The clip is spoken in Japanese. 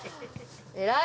偉い。